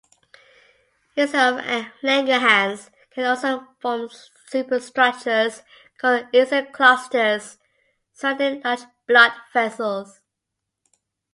Islets of Langerhans can also form superstructures called "islet clusters" surrounding large blood vessels.